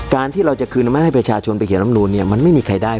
ที่เราจะคืนอำนาจให้ประชาชนไปเขียนลำนูนเนี่ยมันไม่มีใครได้